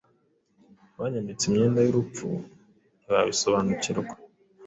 Banyambitse imyenda y'urupfu ntibabisobanukirwa